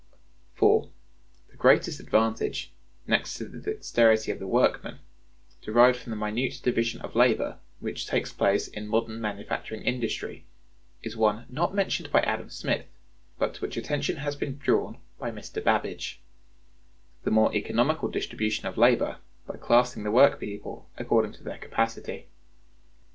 (117) (4.) The greatest advantage (next to the dexterity of the workmen) derived from the minute division of labor which takes place in modern manufacturing industry, is one not mentioned by Adam Smith, but to which attention has been drawn by Mr. Babbage: the more economical distribution of labor by classing the work people according to their capacity.